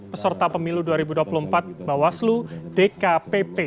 peserta pemilu dua ribu dua puluh empat bawaslu dkpp